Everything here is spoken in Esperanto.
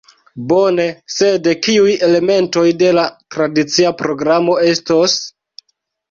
Bone, sed kiuj elementoj de la tradicia programo estos?